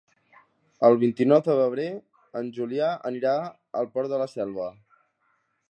El vint-i-nou de febrer en Julià anirà al Port de la Selva.